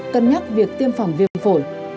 cân nhắc việc tiêm phòng viêm phổi